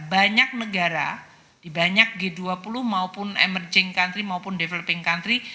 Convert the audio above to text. banyak negara di banyak g dua puluh maupun emerging country maupun developing country